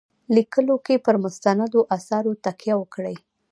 لیکلو کې پر مستندو آثارو تکیه وکړي.